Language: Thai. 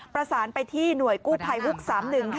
ประสานไปที่หน่วยกู้ภัยฮุก๓๑ค่ะ